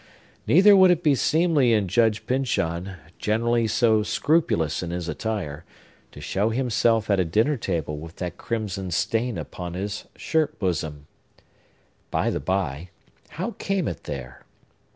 Neither would it be seemly in Judge Pyncheon, generally so scrupulous in his attire, to show himself at a dinner table with that crimson stain upon his shirt bosom. By the bye, how came it there?